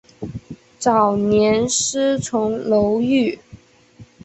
早年师从楼郁。